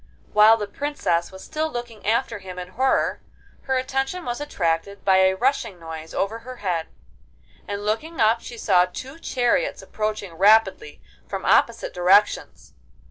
While the Princess was still looking after him in horror, her attention was attracted by a rushing noise over her head, and looking up she saw two chariots approaching rapidly from opposite directions.